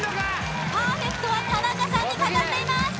パーフェクトは田中さんにかかっています